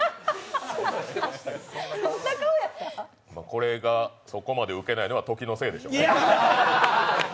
これがそこまでウケないのは時のせいでしょうね。